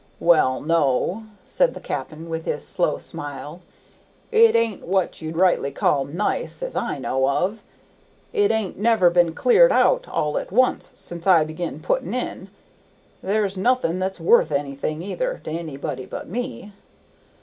"Well, no," said the cap'n, with his slow smile, "it ain't what you'd rightly call 'nice,' as I know of: it ain't never been cleared out all at once since I began putting in. There's nothing that's worth anything, either, to anybody but me.